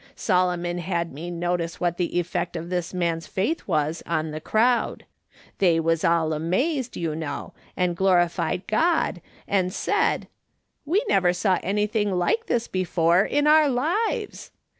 Solomon had me notice what the effect of this man's faith was on the crowd. They was all amazed, you know, and glorified God, and said, ' We never saw anything like this before in our lives.'